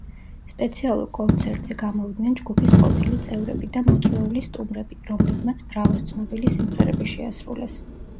სპეციალურ კონცერტზე გამოვიდნენ ჯგუფის ყოფილი წევრები და მოწვეული სტუმრები, რომლებმაც „ბრავოს“ ცნობილი სიმღერები შეასრულეს.